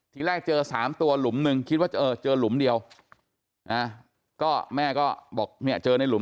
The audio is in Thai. ทีแรกเจอ๓ตัวหลุมหนึ่งคิดว่าเจอหลุมเดียวก็แม่ก็บอกเจอในหลุม